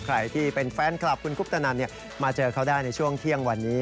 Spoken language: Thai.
ใครที่เป็นแฟนคลับคุณคุปตนันมาเจอเขาได้ในช่วงเที่ยงวันนี้